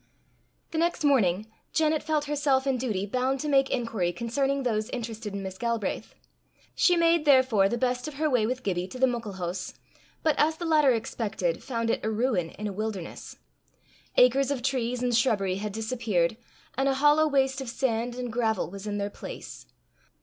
The next morning, Janet felt herself in duty bound to make inquiry concerning those interested in Miss Galbraith. She made, therefore, the best of her way with Gibbie to the Muckle Hoose, but, as the latter expected, found it a ruin in a wilderness. Acres of trees and shrubbery had disappeared, and a hollow waste of sand and gravel was in their place.